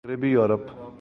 مغربی یورپ